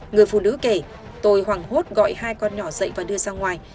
người phụ nữ kể tôi hoảng hốt gọi hai con nhỏ dậy và đưa sang ngoài